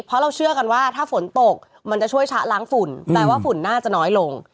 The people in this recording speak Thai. เพราะเราเชื่อกันว่าถ้าฝนตกมันจะช่วยชะล้างฝุ่นแปลว่าฝุ่นน่าจะน้อยลง